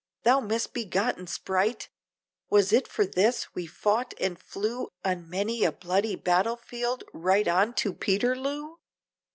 Thou misbegotten sprite! was it for this! we fought and flew, On many a bloody battle field, right on to Peterloo?